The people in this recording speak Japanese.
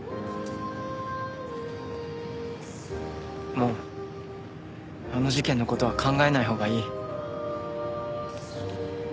もうあの事件の事は考えないほうがいい。